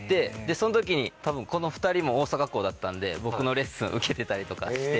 その時にこの２人も大阪校だったんで僕のレッスン受けてたりとかして。